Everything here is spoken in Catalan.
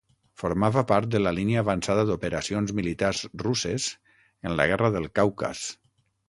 Formava part de la línia avançada d'operacions militars russes en la Guerra del Caucas.